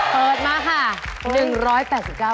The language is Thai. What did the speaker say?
เปิดมาค่ะ